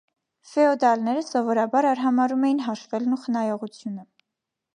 Ֆեոդալները սովորաբար արհամարհում էին հաշվելն ու խնայողությունը։